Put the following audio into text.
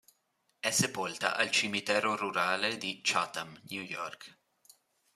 È sepolta al cimitero rurale di Chatham, New York.